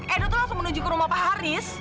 aduh tuh langsung menuju ke rumah pak haris